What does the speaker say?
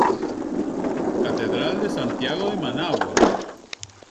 Catedral de Santiago de Managua